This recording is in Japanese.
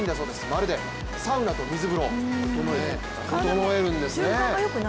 まるでサウナと水風呂ととのえるんですね。